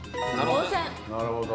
なるほど。